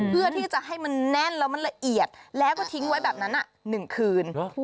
เพื่อที่จะให้มันแน่นแล้วมันละเอียดแล้วก็ทิ้งไว้แบบนั้น๑คืน